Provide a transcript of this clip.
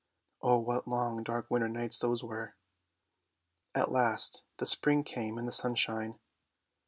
Oh, what long, dark, winter days those were ! At last the spring came and the sunshine.